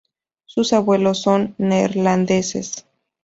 Sus abuelos son neerlandeses.